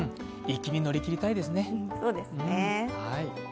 粋に乗り切りたいですね。